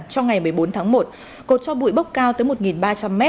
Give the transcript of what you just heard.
trong ngày một mươi bốn tháng một cột cho bụi bốc cao tới một ba trăm linh m